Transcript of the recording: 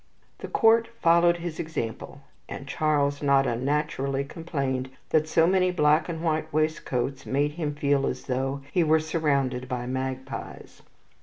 The court followed his example, and Charles not unnaturally complained that so many black and white waistcoats made him feel as though he were surrounded by magpies.